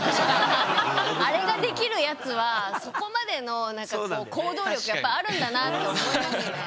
あれができるやつはそこまでの何かこう行動力やっぱあるんだなって思いますね。